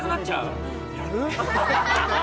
やる？